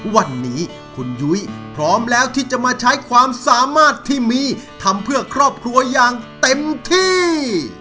วันนี้คุณยุ้ยพร้อมแล้วที่จะมาใช้ความสามารถที่มีทำเพื่อครอบครัวอย่างเต็มที่